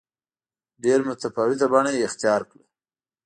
ډېره متفاوته بڼه یې اختیار کړه.